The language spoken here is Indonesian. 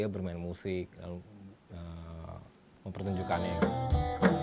bermain musik lalu mempertunjukannya gitu